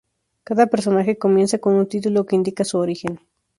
Cada personaje comienza con un título que indica su origen.